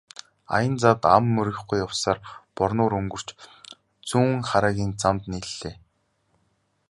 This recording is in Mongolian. Аян замд ам хуурайгүй явсаар Борнуур өнгөрч Зүүнхараагийн замд нийллээ.